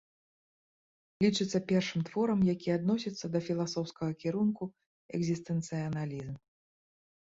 Лічыцца першым творам, які адносіцца да філасофскага кірунку экзістэнцыялізм.